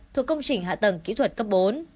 thuộc công trình hạ tầng kỹ thuật cấp bốn